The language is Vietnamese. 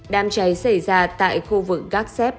đám cháy xảy ra tại khu vực gác xép